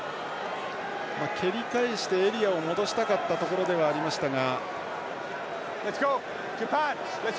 蹴り返してエリアを戻したかったところではありましたが。